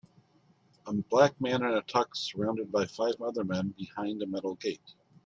A black man in a tux surrounded by five other men behind a metal gate.